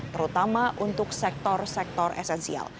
terutama untuk sektor sektor esensial